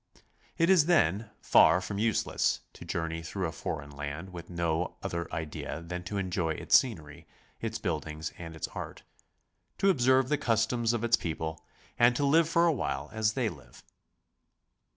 It is, then, far from useless to journey through a foreign land with no other idea than to enjoy its scenery, its build ings, and its art, to observe the customs of its people, and to live for a while a5 they live.